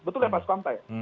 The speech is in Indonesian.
betul kan pak sukamta ya